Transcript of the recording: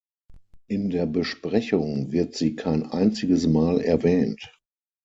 In der Besprechung wird sie kein einziges Mal erwähnt.